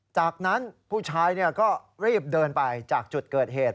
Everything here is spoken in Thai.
จากนั้นผู้ชายก็รีบเดินไปจากจุดเกิดเหตุ